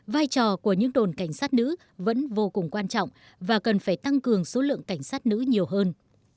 vai trò của những đồn cảnh sát nữ vẫn vô cùng quan trọng và cần phải tăng cường số lượng cảnh sát nữ nhiều hơn